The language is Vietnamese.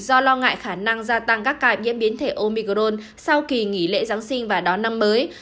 do lo ngại khả năng gia tăng các ca nhiễm biến thể omicron sau kỳ nghỉ lễ giáng sinh và đón năm mới